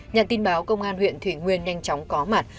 nhận tin báo công an huyện thủy nguyên nhanh chóng có mặt